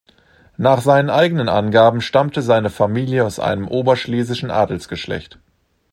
Nach seinen eigenen Angaben stammte seine Familie aus einem oberschlesischen Adelsgeschlecht.